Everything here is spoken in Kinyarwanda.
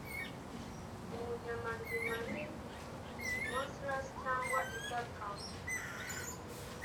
mu nyama nzima ni monstrous cyangwa idapfa,